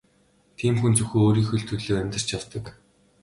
Тийм хүн зөвхөн өөрийнхөө л төлөө амьдарч явдаг.